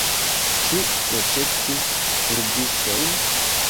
Ĉu protekti murdistojn?